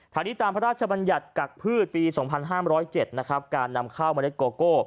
ทางนี้ตามพระราชบัญญัติกักพืชปี๒๕๐๗นะครับการนำข้าวเมล็ดโกโก้